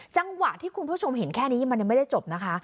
จังหวะที่คุณผู้ชมเห็นแค่นี้มันยังไม่ได้จบนะคะ